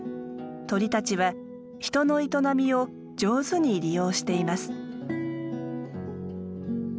鳥たちは人の営みを上手に利用しています。